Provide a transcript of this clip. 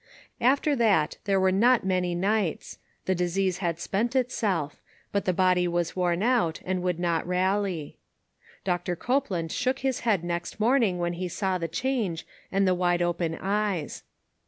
After that, there were not many nights. The disease had spent itself; but the body was worn out, and would not rally. Doctor Copeland shook his head next morn ing when he saw the change, and the wide open eyes.